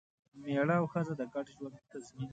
مېړه او ښځه د ګډ ژوند تضمین دی.